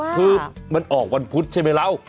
คือมันออกวันพุธใช่มั้ยแล้ว